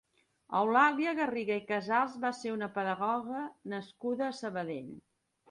Eulàlia Garriga i Casals va ser una pedagoga nascuda a Sabadell.